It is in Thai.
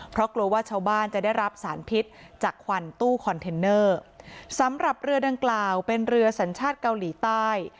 เพราะกลัวว่าชาวบ้านจะได้รับสารพิษจากควันตู้คอนเทนเนอร์สำหรับเรือดังกล่าวเป็นเรือสัญชาติเกาหลีใต้